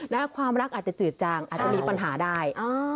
และความรักอาจจะจืดจางอาจจะมีปัญหาได้